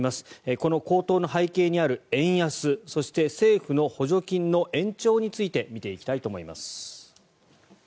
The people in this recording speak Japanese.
この高騰の背景にある円安そして政府の補助金の延長について見ていきたいと思います。